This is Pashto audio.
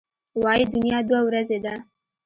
وايي دنیا دوه ورځې ده.